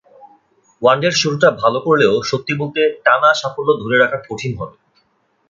ওয়ানডের শুরুটা ভালো করলেও সত্যি বলতে, টানা সাফল্য ধরে রাখা কঠিন হবে।